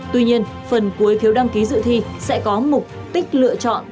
tuy nhiên phần cuối phiếu đăng ký dự thi sẽ có mục tích lựa chọn